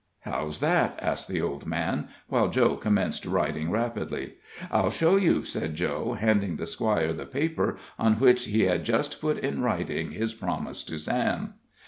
"How's that?" asked the old man, while Joe commenced writing rapidly. "I'll show you," said Joe, handing the Squire the paper on which he has just put in writing his promise to Sam.